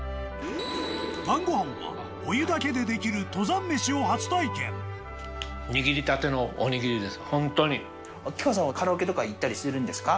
晩ごはんは、お湯だけで出来る登握りたてのおにぎりです、秋川さんは、カラオケとか行ったりするんですか？